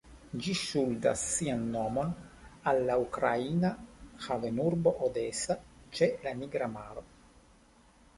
Ĝi ŝuldas sian nomon al la ukraina havenurbo Odesa ĉe la Nigra Maro.